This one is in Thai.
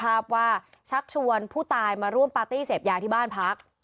สสัตว์ภาพว่าชักชวนผู้ตายมาปาร์ตี่เสพยาที่บ้านพัก